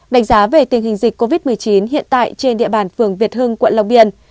đánh giá về tình hình dịch covid một mươi chín hiện tại trên địa bàn phường việt hưng quận long biên